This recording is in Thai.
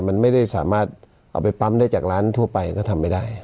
มันไม่ได้สามารถเอาไปปั๊มได้จากร้านทั่วไปก็ทำไม่ได้